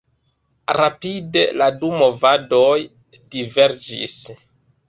Rapide la du movadoj diverĝis.